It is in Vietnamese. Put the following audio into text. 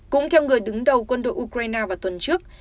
cũng theo người đứng đầu quân đội ukraine vào tuần trước